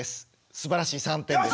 すばらしい３点です。